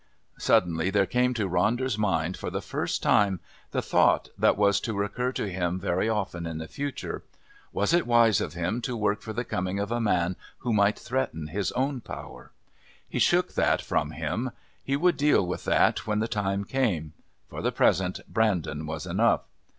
Suddenly there came into Ronder's mind for the first time the thought that was to recur to him very often in the future. Was it wise of him to work for the coming of a man who might threaten his own power? He shook that from him. He would deal with that when the time came. For the present Brandon was enough....